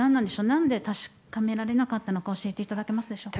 何で確かめられなかったのか教えていただけますか。